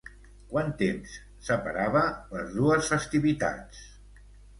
Quants temps separava les dues festivitats?